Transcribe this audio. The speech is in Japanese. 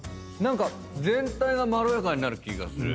全体がまろやかになる気がする。